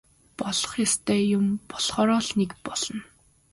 Болох ёстой юм болохоо л нэг болно.